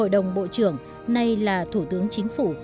đồng bộ trưởng nay là thủ tướng chính phủ